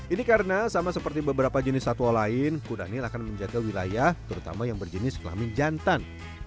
ini karena sama seperti beberapa jenis satwa lain kudanil akan menjaga wilayah terutama yang berjenis kelamin jantan